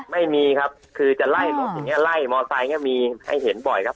ไม่มีครับคือจะไล่ไล่มอเตอร์ไซค์ก็มีให้เห็นบ่อยครับ